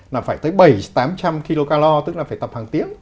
là phải tới bảy trăm linh tám trăm linh kcal tức là phải tập hàng tiếng